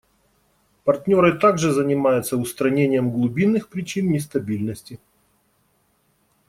Партнеры также занимаются устранением глубинных причин нестабильности.